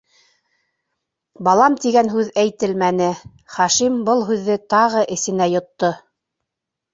«Балам» тигән һүҙ әйтелмәне, Хашим был һүҙҙе тағы эсенә йотто.